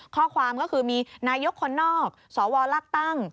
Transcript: ข้อความก็คือมีนายกคนนอกสวรรค์ลักษณ์